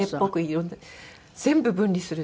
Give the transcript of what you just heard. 全部分離する。